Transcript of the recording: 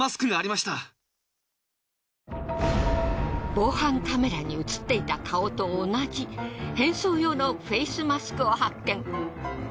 防犯カメラに映っていた顔と同じ変装用のフェイスマスクを発見。